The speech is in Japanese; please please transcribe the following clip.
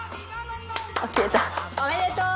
おめでとう！